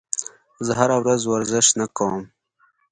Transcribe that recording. زه هره ورځ ورزش نه کوم.